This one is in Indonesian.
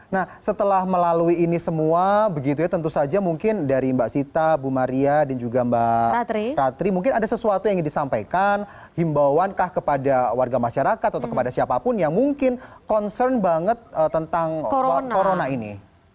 nah setelah melalui ini semua begitu ya tentu saja mungkin dari mbak sita bu maria dan juga mbak ratri mungkin ada sesuatu yang ingin disampaikan himbauan kah kepada warga masyarakat atau kepada siapapun yang mungkin concern banget tentang corona ini